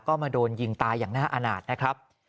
ก็มาโดนยิงตายอย่างน่าอาณาจนะครับ